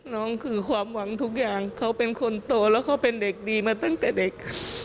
น้องคือความหวังทุกอย่างเขาเป็นคนโตแล้วเขาเป็นเด็กดีมาตั้งแต่เด็ก